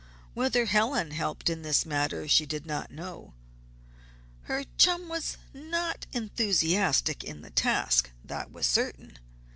Whether Helen helped in this matter she did not know. Her chum was not enthusiastic in the task, that was certain.